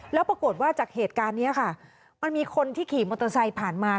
แล้วปรากฏว่าจากเหตุการณ์นี้ค่ะมันมีคนที่ขี่มอเตอร์ไซค์ผ่านมา